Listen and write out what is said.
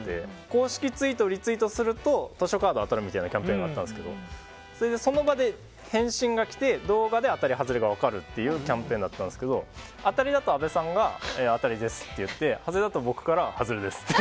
公式ツイートをリツイートすると図書カードが当たるみたいなキャンペーンがあったんですけどその場で返信がきて、動画で当たり、外れが分かるというものだったんですけど当たりだと阿部さんが当たりですって言って外れだと、僕から外れですって。